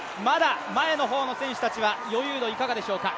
前の方の選手たちは余裕度、いかがでしょうか。